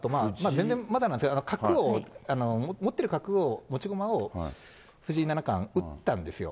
全然まだなんですけど、角を、持ってる角を、持ち駒を藤井七冠、打ったんですよ。